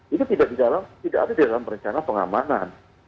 itu tidak ada di dalam perencana pengamanan